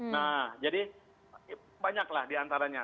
nah jadi banyaklah di antaranya